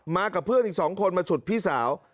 กับเพื่อนอีก๒คนมาฉุดพี่สาว